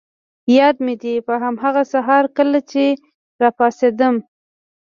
یاد مي دي، په هماغه سهار کله چي راپاڅېدم.